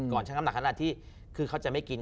ช่างน้ำหนักขนาดที่คือเขาจะไม่กิน